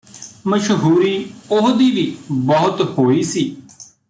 ਮਸ਼ਹੂਰੀ ਉਹਦੀ ਵੀ ਬਹੁਤ ਹੋਈ ਸੀ